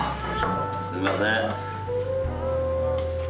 すいません。